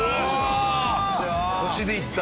腰でいった！